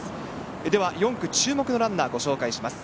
では４区、注目のランナーをご紹介します。